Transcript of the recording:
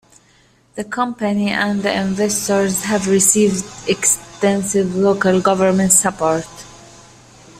The company and the investors have received extensive local government support.